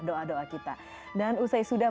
doa doa kita dan usai sudah